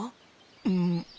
うん。